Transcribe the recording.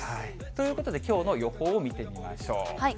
ということで、きょうの予報を見てみましょう。